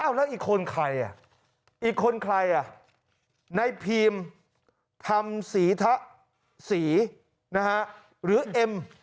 อ้าวแล้วอีกคนใครอีกคนใครในพีมทำสีทะสีหรือเอ็ม